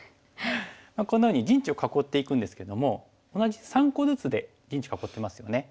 こんなふうに陣地を囲っていくんですけども同じ３個ずつで陣地囲ってますよね。